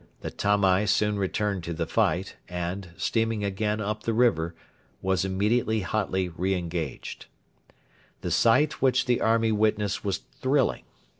The Tamai soon returned to the fight, and, steaming again up the river, was immediately hotly re engaged. The sight which the army witnessed was thrilling.